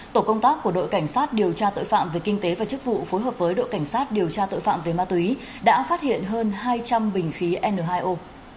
tổ công tác của đội cảnh sát điều tra tội phạm về kinh tế và chức vụ phối hợp với đội cảnh sát điều tra tội phạm về ma túy đã phát hiện hơn hai trăm linh bình khí n hai o